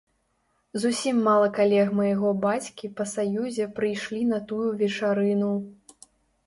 Зусім мала калег майго бацькі па саюзе прыйшлі на тую вечарыну.